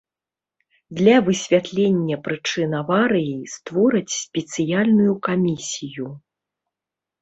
Для высвятлення прычын аварыі створаць спецыяльную камісію.